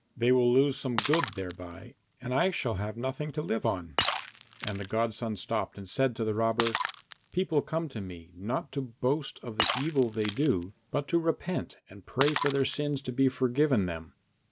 They will lose some good thereby, and I shall have nothing to live on." And the godson stopped and said to the robber, "People come to me not to boast of the evil they do, but to repent and pray for their sins to be forgiven them.